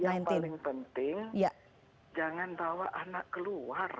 yang paling penting jangan bawa anak keluar